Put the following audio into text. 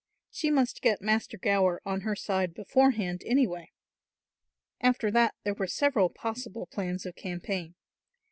She must get Master Gower on her side beforehand anyway. After that there were several possible plans of campaign.